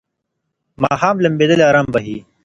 ماښام لمبېدل آرام بخښي.